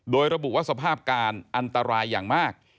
โดยระบุว่าสภาพการอันตรายอย่างมาก